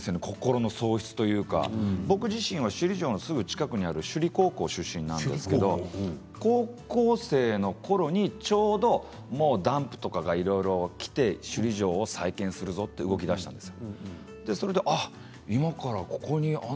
心の喪失というか僕自身、首里城の近くにある首里高校出身なんですけれども高校生のころにダンプとかがいろいろ来て首里城を再建すると動きだしたんです。